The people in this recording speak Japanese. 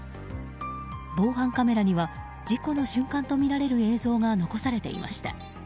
防犯カメラには事故の瞬間とみられる映像が残されていました。